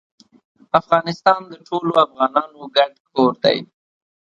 افغانستان د ټولو افغانانو ګډ کور دی.